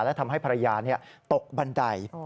และทำให้ภรรยาตกบันได